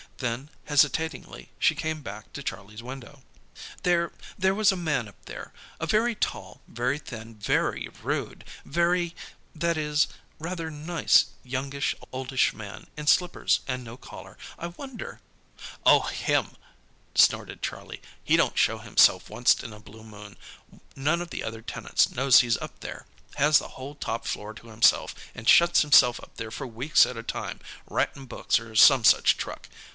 Then, hesitatingly, she came back to Charlie's window. "There there was a man up there a very tall, very thin, very rude, very that is, rather nice youngish oldish man, in slippers, and no collar. I wonder " "Oh, him!" snorted Charlie. "He don't show himself onct in a blue moon. None of the other tenants knows he's up there. Has the whole top floor to himself, and shuts himself up there for weeks at a time, writin' books, or some such truck.